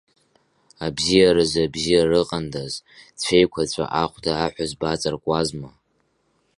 Абзиаразы абзиара ыҟандаз, цәеиқәаҵәа ахәда аҳәызба аҵаркуазма!